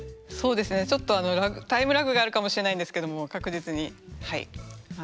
ちょっとタイムラグがあるかもしれないんですけども確実にはい。